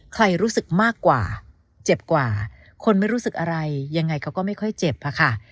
รู้สึกมากกว่าเจ็บกว่าคนไม่รู้สึกอะไรยังไงเขาก็ไม่ค่อยเจ็บอะค่ะ